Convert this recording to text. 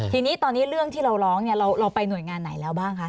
ทีนี้ตอนนี้เรื่องที่เราร้องเราไปหน่วยงานไหนแล้วบ้างคะ